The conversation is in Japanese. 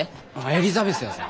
エリザベスやさ。